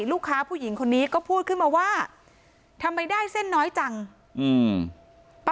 ลูกค้าผู้หญิงคนนี้ก็พูดขึ้นมาว่าทำไมได้เส้นน้อยจังอืม